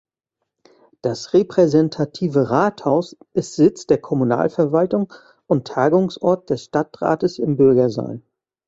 Das repräsentative Rathaus ist Sitz der Kommunalverwaltung und Tagungsort des Stadtrates im Bürgersaal.